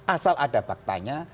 asal ada faktanya